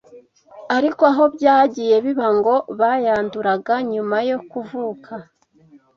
ariko aho byagiye biba ngo bayanduraga nyuma yo kuvuka